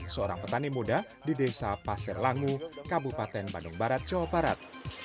seorang petani muda di desa pasir langu kabupaten bandung barat jawa barat